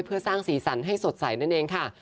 เพื่อสร้างสีสันให้สดใสนั่นเองค่ะ